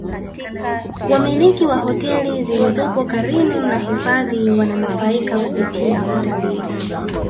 wamiliki wa hoteli zilizopo karinu na hifadhi wananufaika kupitia utalii